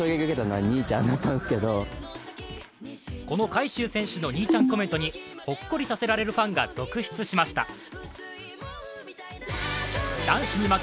この海祝選手の兄ちゃんコメントにほっこりさせられるファンが続出しました。